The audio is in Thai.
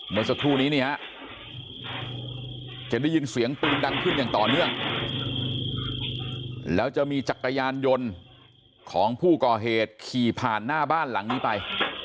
เมื่อสักครู่นี้นี่ฮะจะได้ยินเสียงปืนดังขึ้นอย่างต่อเนื่องแล้วจะมีจักรยานยนต์ของผู้ก่อเหตุขี่ผ่านหน้าบ้านหลังนี้ไป